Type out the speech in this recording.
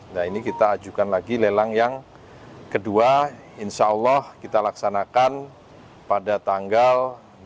nah ini kita ajukan lagi lelang yang kedua insya allah kita laksanakan pada tanggal dua puluh